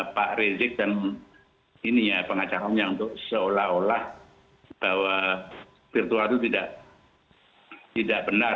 pak rizik dan ini ya pengacaranya untuk seolah olah bahwa virtual itu tidak benar